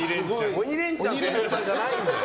鬼レンチャンしてる場合じゃないんだよ。